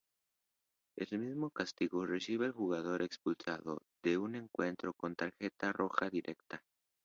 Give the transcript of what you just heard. El mismo castigo recibe el jugador expulsado de un encuentro con tarjeta roja directa.